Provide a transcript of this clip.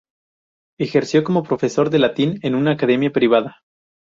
Ejerció como profesor de latín en una academia privada.